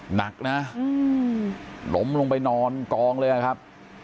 หนักนะล้มลงไปนอนกองเลยนะครับ